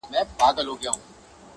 تر کارګه یې په سل ځله حال بتر دی٫